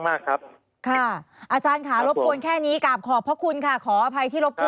อาจารย์ธรรมนี้น่ารักนะคะ